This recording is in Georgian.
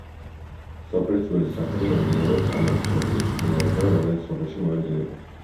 სოფლის ძველი სახელი მომდინარეობს ამავე სახელწოდების მდინარიდან, რომელიც სოფელში მოედინება.